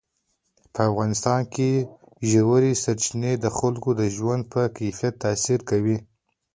په افغانستان کې ژورې سرچینې د خلکو د ژوند په کیفیت تاثیر کوي.